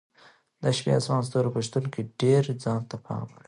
د شپې اسمان د ستورو په شتون کې ډېر پام ځانته اړوي.